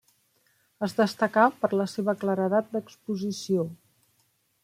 Es destacà per la seva claredat d'exposició.